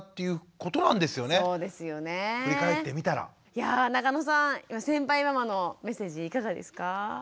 いや中野さん先輩ママのメッセージいかがですか？